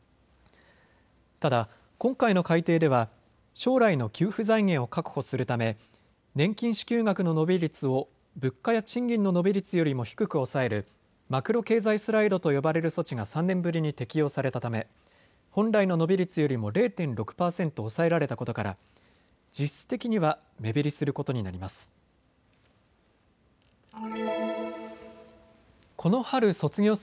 ただ、今回の改定では将来の給付財源を確保するため年金支給額の伸び率を物価や賃金の伸び率よりも低く抑えるマクロ経済スライドと呼ばれる措置が３年ぶりに適用されたため本来の伸び率よりも０．６％抑えられたことから実質的には目減りすることになります。